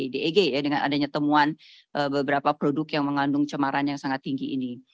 di eg ya dengan adanya temuan beberapa produk yang mengandung cemaran yang sangat tinggi ini